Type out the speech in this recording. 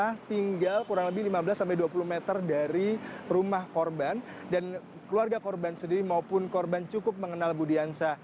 karena tinggal kurang lebih lima belas sampai dua puluh meter dari rumah korban dan keluarga korban sendiri maupun korban cukup mengenal budiansa